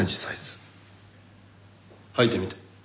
履いてみて。